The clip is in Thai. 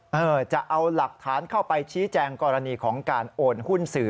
เออจะเอาหลักฐานเข้าไปชี้แจงกรณีของการโอนหุ้นสื่อ